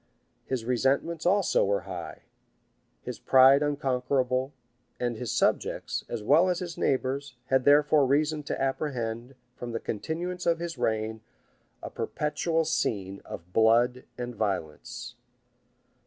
His resentments also were high; his pride unconquerable; and his subjects, as well as his neighbors, had therefore reason to apprehend, from the continuance of his reign, a perpetual scene of blood and violence.